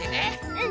うん。